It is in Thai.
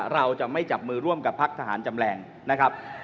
เราจะไม่จับมือร่วมกับพักทหารจำแรงนะครับ